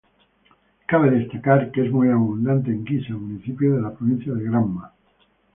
Cabe destacar que es muy abundante en Guisa, municipio de la provincia de Granma.